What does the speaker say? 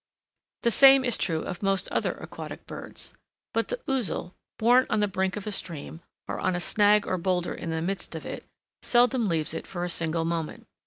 The same is true of most other aquatic birds. But the Ouzel, born on the brink of a stream, or on a snag or boulder in the midst of it, seldom leaves it for a single moment.